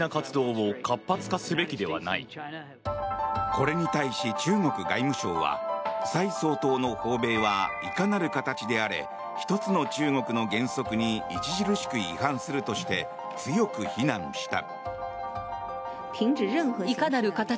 これに対し、中国外務省は蔡総統の訪米はいかなる形であれ一つの中国の原則に著しく違反するとして強く非難した。